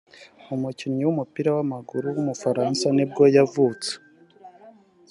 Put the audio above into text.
umukinnyi w’umupira w’amaguru w’umufaransa nibwo yavutse